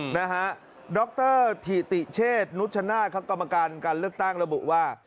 นะฮะดรถิติเชษนุชชนาธิ์ครับกรรมการการเลือกตั้งระบุว่า